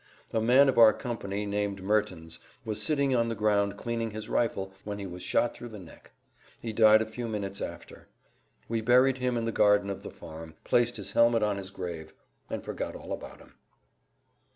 A man of our company, named Mertens, was sitting on the ground cleaning his rifle when he was shot through the neck; he died a few minutes after. We buried him in the garden of the farm, placed his helmet on his grave, and forgot all about him.